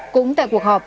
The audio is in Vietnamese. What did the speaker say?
cũng tại cuộc họp